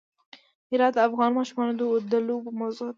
هرات د افغان ماشومانو د لوبو موضوع ده.